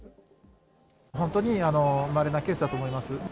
本当にまれなケースだと思います。